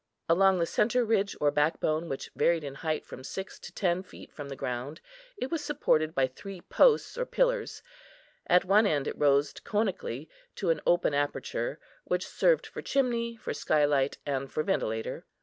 Along the centre ridge or backbone, which varied in height from six to ten feet from the ground, it was supported by three posts or pillars; at one end it rose conically to an open aperture, which served for chimney, for sky light, and for ventilator.